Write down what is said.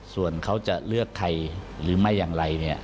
ส่วนเขาจะเลือกใครหรือไม่อย่างไรเนี่ย